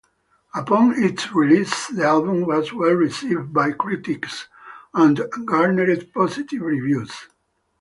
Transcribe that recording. Upon its release, the album was well received by critics and garnered positive reviews.